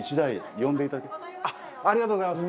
ありがとうございます。